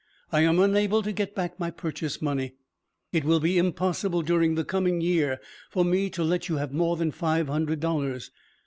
I am unable to get back my purchase money. It will be impossible during the coming year for me to let you have more than five hundred dollars.